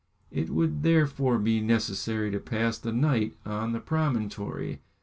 It would therefore be necessary to pass the night on the promontory.